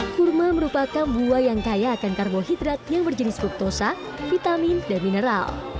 kurma merupakan buah yang kaya akan karbohidrat yang berjenis ruktosa vitamin dan mineral